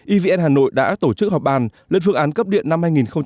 evn hà nội đã tổ chức họp bàn lên phương án cấp điện năm hai nghìn một mươi tám